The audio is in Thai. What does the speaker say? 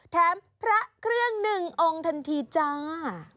แถมพระเครื่องหนึ่งองค์ทันทีจ้า